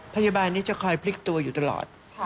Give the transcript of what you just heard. พยาบาลนี้จะคอยพลิกตัวอยู่ตลอด